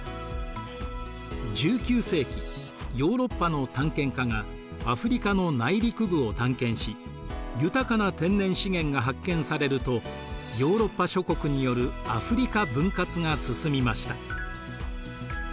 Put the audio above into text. １９世紀ヨーロッパの探検家がアフリカの内陸部を探検し豊かな天然資源が発見されるとヨーロッパ諸国によるアフリカ分割が進みました。